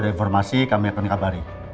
informasi kami akan kabari